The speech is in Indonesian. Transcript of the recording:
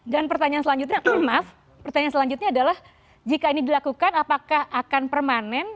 dan pertanyaan selanjutnya maaf pertanyaan selanjutnya adalah jika ini dilakukan apakah akan permanen